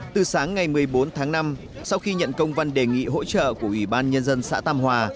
từ sáng ngày một mươi bốn tháng năm sau khi nhận công văn đề nghị hỗ trợ của ủy ban nhân dân xã tam hòa